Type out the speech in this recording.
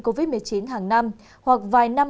covid một mươi chín hàng năm hoặc vài năm